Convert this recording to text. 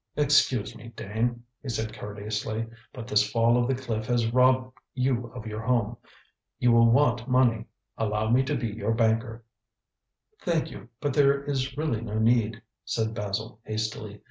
"Excuse me, Dane," he said courteously, "but this fall of the cliff has robbed you of your home. You will want money. Allow me to be your banker." "Thank you; but there is really no need," said Basil hastily.